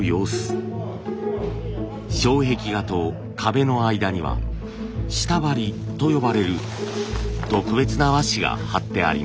障壁画と壁の間には下張りと呼ばれる特別な和紙が貼ってあります。